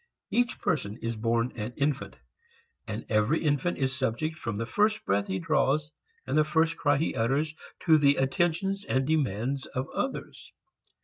Each person is born an infant, and every infant is subject from the first breath he draws and the first cry he utters to the attentions and demands of others.